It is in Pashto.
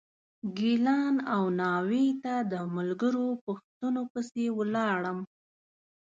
ګیلان او ناوې ته د ملګرو پوښتنو پسې ولاړم.